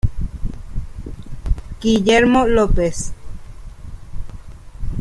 Guillermo López.